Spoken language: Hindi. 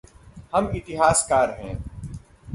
हम इतिहासकार हैं।